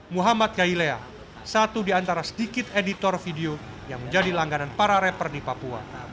muhammad gailea satu di antara sedikit editor video yang menjadi langganan para rapper di papua